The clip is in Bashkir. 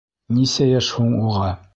Нисә йәш һуң уға?